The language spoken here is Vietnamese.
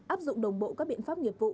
áp dụng đồng bộ các biện pháp